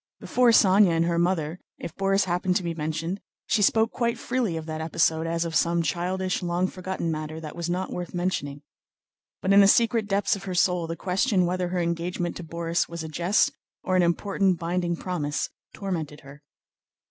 Before Sónya and her mother, if Borís happened to be mentioned, she spoke quite freely of that episode as of some childish, long forgotten matter that was not worth mentioning. But in the secret depths of her soul the question whether her engagement to Borís was a jest or an important, binding promise tormented her.